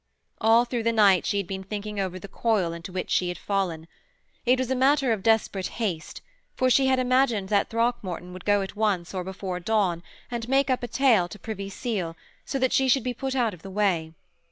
All through the night she had been thinking over the coil into which she had fallen. It was a matter of desperate haste, for she had imagined that Throckmorton would go at once or before dawn and make up a tale to Privy Seal so that she should be put out of the way.